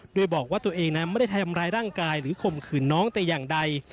โดยบอกว่าตัวเองนั้นไม่ได้ทำร้ายร่างกายหรือข่มขืนน้องแต่อย่างใด